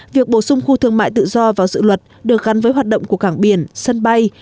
việc bổ sung khu thương mại tự do vào dự luật được gắn với hoạt động của cảng biển sân bay